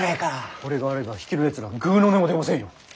これがあれば比企のやつらぐうの音も出ませんよ。